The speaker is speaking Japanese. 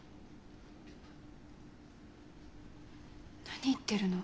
何言ってるの？